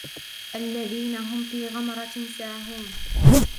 الذين هم في غمرة ساهون